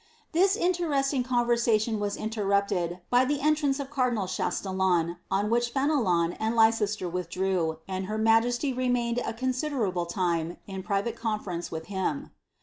This interesiiug conversaiLoa wu inierrupted by ibe entrance of cardinal Chastillon, on which Fenelon and Iieieesler withdrew, and her majesty remained a considerable tine in private conference with him.